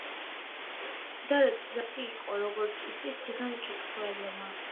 დარეჯანი ჭკვიანი დედაკაცი იყო, როგორც იცის თითონ მკითხველმა.